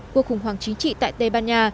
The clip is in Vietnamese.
cuộc khủng hoảng chính trị tại tây ban nha